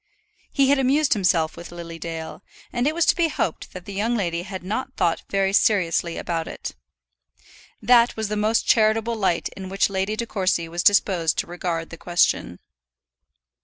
He had amused himself with Lily Dale, and it was to be hoped that the young lady had not thought very seriously about it. That was the most charitable light in which Lady De Courcy was disposed to regard the question.